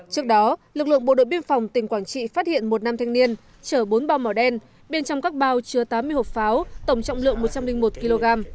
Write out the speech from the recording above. trước đó lực lượng bộ đội biên phòng tỉnh quảng trị phát hiện một nam thanh niên chở bốn bao màu đen bên trong các bao chứa tám mươi hộp pháo tổng trọng lượng một trăm linh một kg